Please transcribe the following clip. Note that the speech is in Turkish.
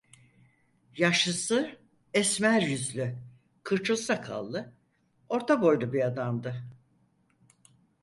Yaşlısı, esmer yüzlü, kırçıl sakallı, orta boylu bir adamdı.